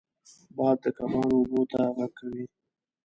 باد د کبانو اوبو ته غږ کوي